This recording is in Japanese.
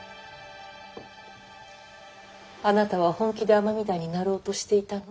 あなたは本気で尼御台になろうとしていたの。